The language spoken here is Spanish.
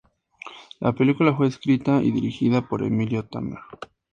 La película fue escrita y dirigida por Emilio Tamer.